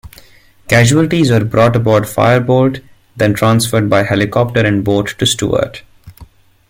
Casualties were brought aboard "Firebolt", then transferred by helicopter and boat to "Stuart".